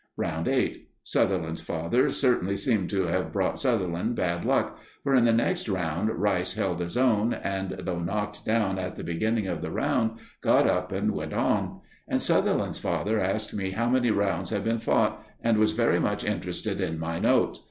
Round 8. Sutherland's father certainly seemed to have brought Sutherland bad luck, for in the next round Rice held his own, and though knocked down at the beginning of the round, got up and went on. And Sutherland's father asked me how many rounds had been fought, and was very much interested in my notes.